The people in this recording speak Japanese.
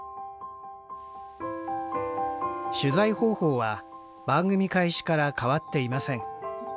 取材方法は番組開始から変わっていません。